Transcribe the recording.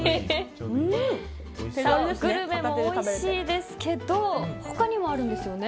グルメもおいしいですけど他にもあるんですよね。